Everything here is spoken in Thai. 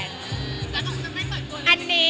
แล้วต้องจะไม่ต่อยคนอีกไหม